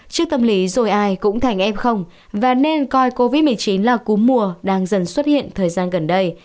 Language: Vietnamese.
trước tâm lý rồi ai cũng thành em không và nên coi covid một mươi chín là cú mùa đang dần xuất hiện thời gian gần đây